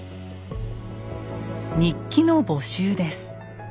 日記の募集です。